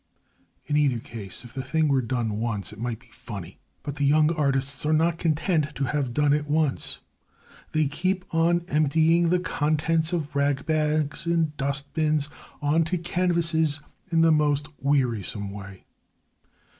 In either case, if the thing were done once, it might be funny. But the young artists are not content to have done it once. They keep on emptying the contents of ragbags and dustbins on to canvases in the most wearisome way.